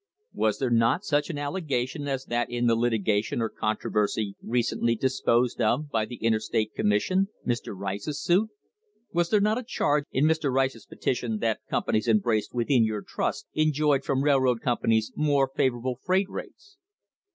Was there not such an allegation as that in the litigation or controversy recently disposed of by the Interstate Commerce Commission, Mr. Rice's suit; was not there a charge in Mr. Rice's petition that companies embraced within your trust enjoyed from railroad companies more favourable freight rates